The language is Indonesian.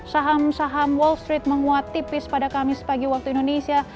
saham saham wall street menguat tipis pada kamis pagi waktu indonesia